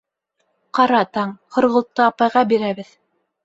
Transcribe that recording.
— Ҡара, Таң, Һорғолтто апайға бирәбеҙ.